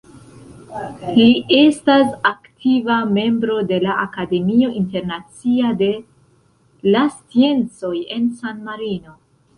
Li estas aktiva membro de la Akademio Internacia de la Sciencoj en San Marino.